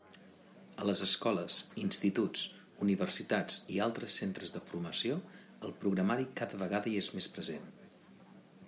A les escoles, instituts, universitats i altres centres de formació el programari cada vegada hi és més present.